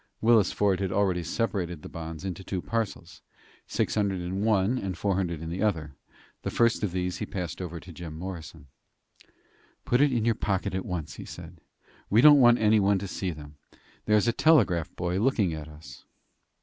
Willis Ford had already separated the bonds into two parcels, six hundred in one and four hundred in the other. The first of these he passed over to Jim Morrison. "Put it into your pocket at once," he said. "We don't want anyone to see them. There is a telegraph boy looking at us."